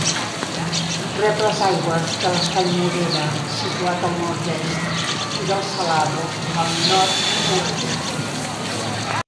Rep les aigües de l'Estany Morera, situat al nord-est, i del Salado, al nord-oest.